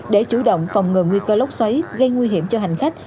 để chủ động phòng ngừa nguy cơ lốc xoáy gây nguy hiểm cho hành khách